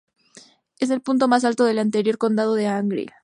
Es el punto más alto del anterior condado de Argyll.